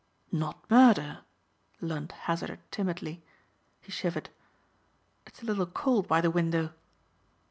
"Not murder?" Lund hazarded timidly. He shivered. "It's a little cold by the window."